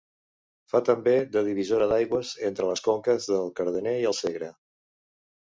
Fa també de divisòria d'aigües entre les conques del Cardener i el Segre.